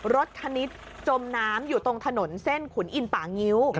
ธนิษฐ์จมน้ำอยู่ตรงถนนเส้นขุนอินป่างิ้ว